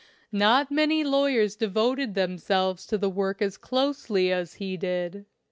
Not many lawyers devoted themselves to the work as closely as he did.